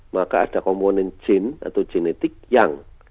maka ada komponen jin atau genetik yang